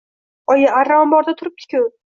Oyi, arra omborda turibdi-ku